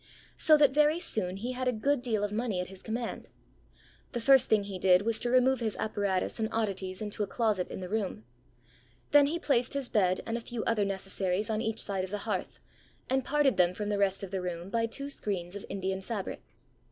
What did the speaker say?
So that very soon he had a good deal of money at his command. The first thing he did was to remove his apparatus and oddities into a closet in the room. Then he placed his bed and a few other necessaries on each side of the hearth, and parted them from the rest of the room by two screens of Indian fabric.